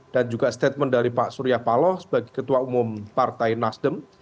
dan juga statement dari pak surya paloh sebagai ketua umum partai nasdem